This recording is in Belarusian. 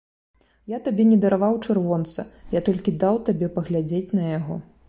Я табе не дараваў чырвонца, я толькі даў табе паглядзець на яго.